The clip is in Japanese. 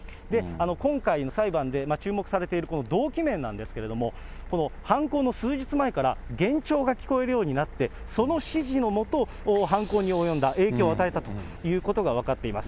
今回の裁判で注目されているこの動機面なんですけれども、犯行の数日前から幻聴が聞こえるようになって、その指示の下、犯行に及んだ、影響を与えたということが分かっています。